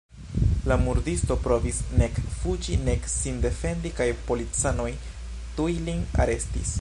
La murdisto provis nek fuĝi nek sin defendi kaj policanoj tuj lin arestis.